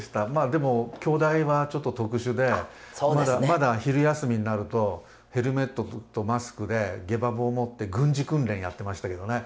でも京大はちょっと特殊でまだ昼休みになるとヘルメットとマスクでゲバ棒持って軍事訓練やってましたけどね。